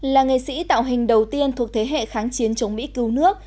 là nghệ sĩ tạo hình đầu tiên thuộc thế hệ kháng chiến chống mỹ cứu nước